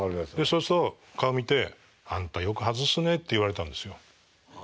そうすると顔見て「あんたよく外すね」って言われたんですよ。